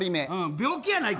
病気やないか。